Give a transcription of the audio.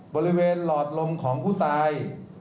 บริเวณหลอดลมของผู้ตาย